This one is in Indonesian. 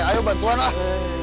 ayo bantuan lah